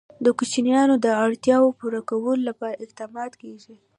د کوچیانو د اړتیاوو پوره کولو لپاره اقدامات کېږي.